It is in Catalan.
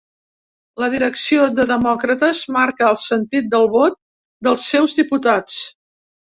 La direcció de Demòcrates marca el sentit del vot dels seus diputats